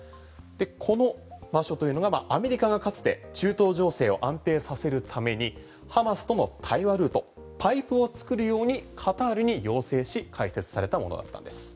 この場所というのがアメリカが、かつて中東情勢を安定させるためにハマスとの対話ルートパイプを作るようにカタールに要請し開設されたものだったんです。